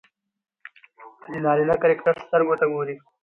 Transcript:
د نارينه کرکټر سترګو ته ګوري